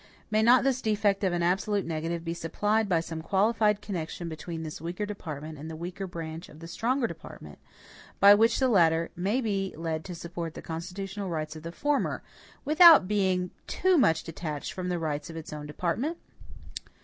May not this defect of an absolute negative be supplied by some qualified connection between this weaker department and the weaker branch of the stronger department, by which the latter may be led to support the constitutional rights of the former, without being too much detached from the rights of its own department?